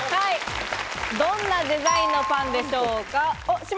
どんなデザインのパンでしょうか？